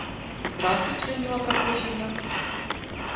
Здравствуйте, Людмила Прокофьевна!